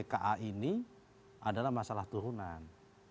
bahwa masalah tka ini adalah masalah turunan